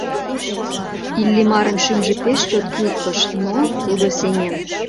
Иллимарын шӱмжӧ пеш чот кӱлткыш, но — тудо сеҥен!